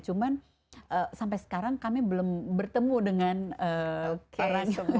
cuma sampai sekarang kami belum bertemu dengan orang yang bisa